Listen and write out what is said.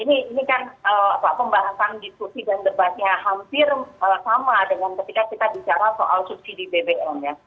ini kan pembahasan diskusi dan debatnya hampir sama dengan ketika kita bicara soal subsidi bbm ya